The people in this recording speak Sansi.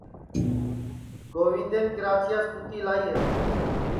گوندین کراچیاس کُتی لائی ہے